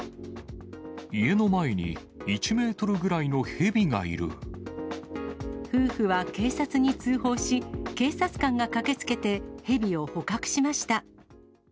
家の前に１メートルぐらいの夫婦は警察に通報し、警察官が駆けつけてヘビを捕獲しました。